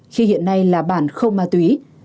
khi hiện nay là bản không ma túy